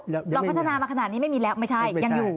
เราพัฒนามาขนาดนี้ไม่มีแล้วไม่ใช่ยังอยู่